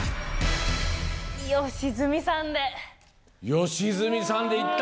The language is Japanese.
良純さんでいった！